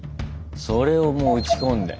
それをもう打ち込んで。